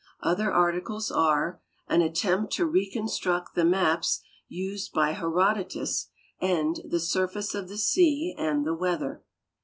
Other articles are "An At tempt to Reconstruct the Maps Used by Herodotus" and "The Surface of the Sea and the Weather."